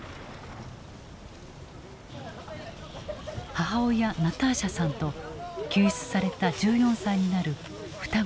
母親ナターシャさんと救出された１４歳になる双子の姉妹。